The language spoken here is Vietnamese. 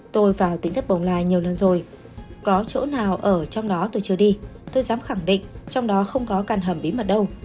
tôi vào tỉnh đất bồng lai nhiều lần rồi có chỗ nào ở trong đó tôi chưa đi tôi dám khẳng định trong đó không có căn hầm bí mật đâu